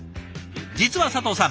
実は佐藤さん